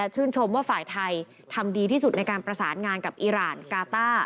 ชื่นชมว่าฝ่ายไทยทำดีที่สุดในการประสานงานกับอีรานกาต้า